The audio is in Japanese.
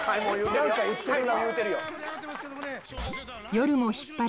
何か言ってるな。